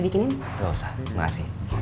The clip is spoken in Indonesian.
gak usah makasih